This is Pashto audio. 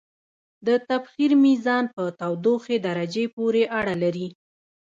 د تبخیر میزان په تودوخې درجې پورې اړه لري.